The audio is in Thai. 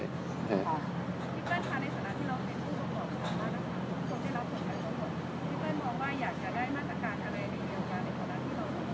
ขอบคุณครับ